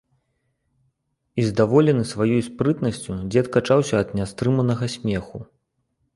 І, здаволены сваёй спрытнасцю, дзед качаўся ад нястрыманага смеху.